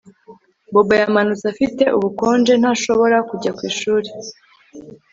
Bobo yamanutse afite ubukonje ntashobora kujya ku ishuri